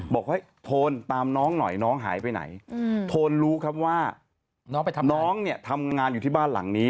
บอกว่าโทนตามน้องหน่อยน้องหายไปไหนโทนรู้ครับว่าน้องเนี่ยทำงานอยู่ที่บ้านหลังนี้